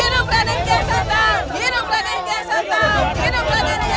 hidup raden kian santang